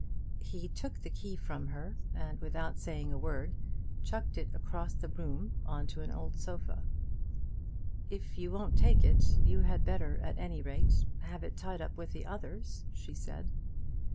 He took the key from her, and without saying a word chucked it across the room on to an old sofa. "If you won't take it, you had better, at any rate, have it tied up with the others," she said.